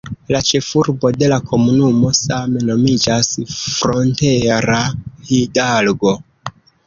La ĉefurbo de la komunumo same nomiĝas Frontera Hidalgo.